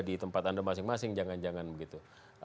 di tempat anda masing masing jangan jangan begitu